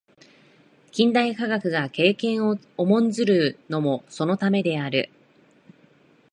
近代科学が経験を重んずるのもそのためである。